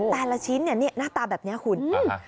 แต่ละชิ้นเนี่ยหน้าตาแบบนี้คุณ